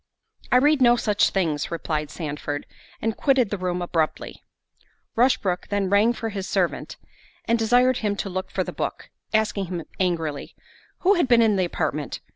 "I read no such things," replied Sandford, and quitted the room abruptly. Rushbrook then rang for his servant, and desired him to look for the book, asking him angrily, "Who had been in the apartment?